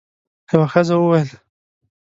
یوه ښځه وویل: